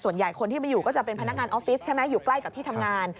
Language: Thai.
คนที่มาอยู่ก็จะเป็นพนักงานออฟฟิศใช่ไหมอยู่ใกล้กับที่ทำงาน